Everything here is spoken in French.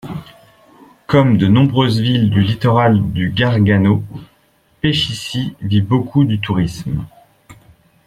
Comme de nombreuses villes du littoral du Gargano, Peschici vit beaucoup du tourisme.